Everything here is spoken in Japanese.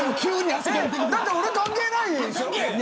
だって、俺、関係ないでしょ。